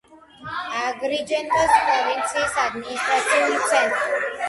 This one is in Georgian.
აგრიჯენტოს პროვინციის ადმინისტრაციული ცენტრი.